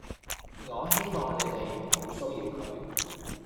我希望你哋唔好騷擾佢